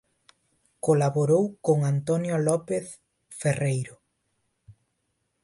Colaborou con Antonio López Ferreiro.